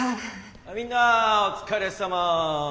みんなお疲れさま！